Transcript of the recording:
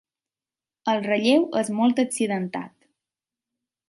El relleu és molt accidentat.